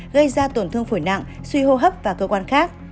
gây ra tổn thương phổi nặng suy hô hấp và cơ quan khác